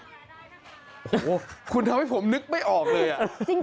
โอ้โหคุณทำให้ผมนึกไม่ออกเลยอ่ะ